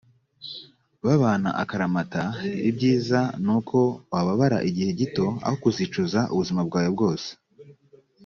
babana akaramata ibyiza ni uko wababara igihe gito aho kuzicuza ubuzima bwawe bwose